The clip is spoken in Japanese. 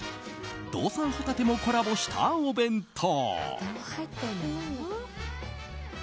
道産ホタテもコラボしたお弁当。